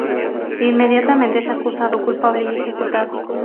Inmediatamente es acusado culpable y ejecutado.